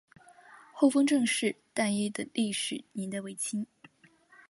厚丰郑氏大厝的历史年代为清。